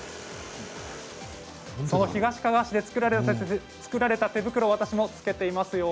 その東かがわ市で作られた手袋を私もつけています。